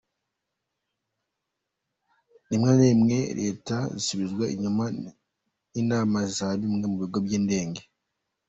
Rimwe na rimwe leta zisubizwa inyuma n’inama za bimwe mu bigo by’indege.